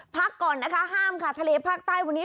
พักก่อนนะคะห้ามค่ะทะเลภาคใต้วันนี้